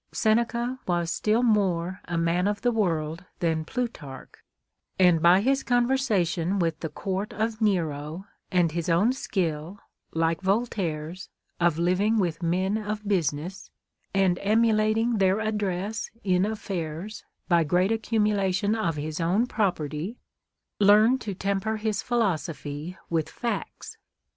Seneca was still more a man of the world than Plutarch ; and, by his conversation with the Court of Nero, and his own skill, like "\ ol taire's, of living with men of business, and emulating their ad dress in atfairs by great accumulation of his owni property, learned to temper his philosophy with facts.